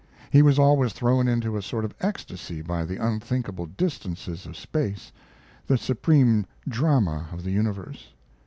He was always thrown into a sort of ecstasy by the unthinkable distances of space the supreme drama of the universe.